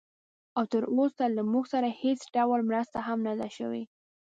او تراوسه له موږ سره هېڅ ډول مرسته هم نه ده شوې